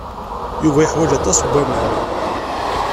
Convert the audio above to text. Yuba yeḥwaj aṭas n waman.